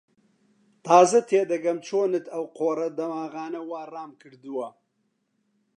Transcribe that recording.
تازە تێدەگەم چۆنت ئەو قۆڕە دەماغانە وا ڕام کردووە